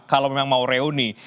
kalau memang mau reuni